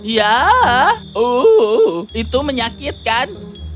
ya itu menyakitkan